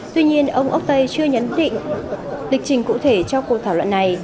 tuy nhiên ông oktay chưa nhấn định địch trình cụ thể cho cuộc thảo luận này